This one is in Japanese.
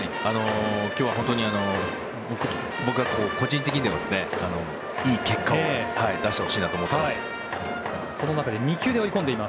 今日は本当に僕が個人的にいい結果を出してほしいなと思ってます。